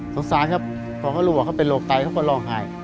สงสารครับพอเขารู้ว่าเขาเป็นโรคไตเขาก็ร้องไห้